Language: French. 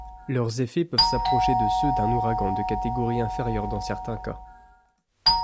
Leurs effets peuvent s'approcher de ceux d'un ouragan de catégorie inférieure dans certains cas.